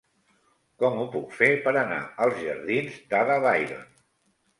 Com ho puc fer per anar als jardins d'Ada Byron?